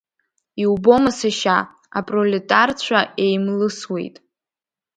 Иубома сашьа, апролетарцәа еимлысуеит!